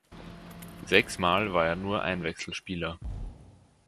Sechsmal war er nur Einwechselspieler.